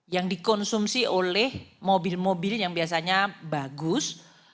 yang dikonsumsi oleh mobil mobil yang biasanya bagus